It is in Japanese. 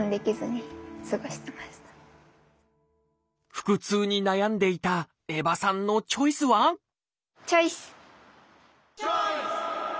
腹痛に悩んでいた江場さんのチョイスはチョイス！